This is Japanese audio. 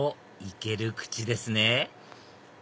行ける口ですね